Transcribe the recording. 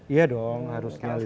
iya dong harusnya listrik